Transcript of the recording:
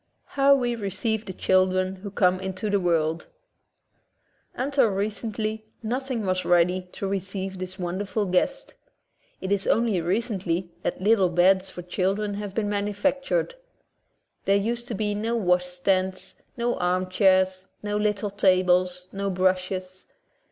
How We Receive the Children Who Come Into the World Until recently nothing was ready to receive this wonderful guest. It is only recently that little beds for children have been manufac tured. There used to be no washstands, no armchairs, no little tables, no brushes.